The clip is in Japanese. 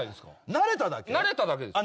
慣れただけです。